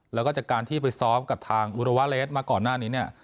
แล้วก็จากการที่ไปซ้อมกับทางอุรวาเลสมาก่อนหน้านี้เนี่ย